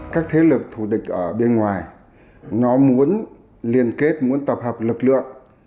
các thế lực thủ địch ở bên ngoài nó muốn liên kết muốn tập hợp lực lượng